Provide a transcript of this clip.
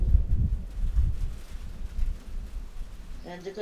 note book کے بعد ان سے بھی مختصر کمپیوٹرز پام ٹوپ کے نام سے متعارف ہوئے